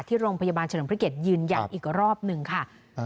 ที่โรงพยาบาลเฉลิมพระเกียรติยืนยันอีกรอบหนึ่งค่ะ